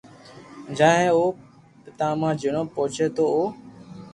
جائي ھي او پتماتما جنو پوچي تو او